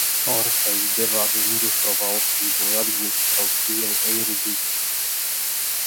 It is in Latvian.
Orfejs devās uz mirušo valstību, lai atgūtu savu sievu Eiridiki.